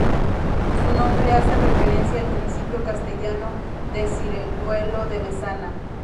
Su nombre hace referencia al municipio castellano de Cilleruelo de Bezana.